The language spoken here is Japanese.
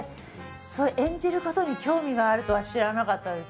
演じることに興味があるとは知らなかったです。